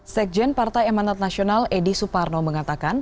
sekjen partai emanat nasional edi suparno mengatakan